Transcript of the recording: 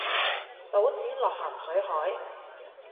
倒錢落咸水海